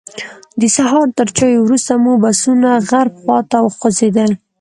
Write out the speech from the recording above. د سهار تر چایو وروسته مو بسونه غرب خواته وخوځېدل.